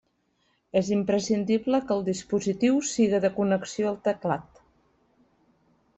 És imprescindible que el dispositiu siga de connexió al teclat.